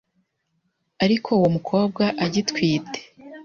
ariko uwo mukobwa agitwite